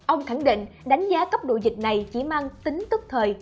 ông khẳng định đánh giá tốc độ dịch này chỉ mang tính tức thời